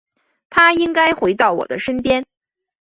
他应该回到我的身边